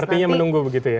artinya menunggu begitu ya